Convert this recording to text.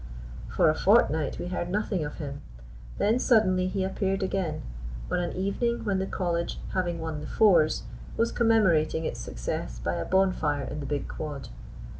For a fortnight we heard nothing of him. Then suddenly he appeared again on an evening when the College, having won the "Fours," was commemorating its success by a bonfire in the big quad.